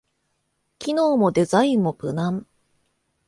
機能もデザインも無難